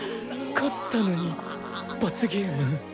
勝ったのに罰ゲーム。